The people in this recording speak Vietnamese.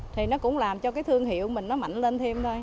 thì nó cũng làm cho cái thương hiệu mình nó mạnh lên